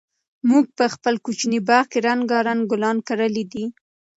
موږ په خپل کوچني باغ کې رنګارنګ ګلان کرلي دي.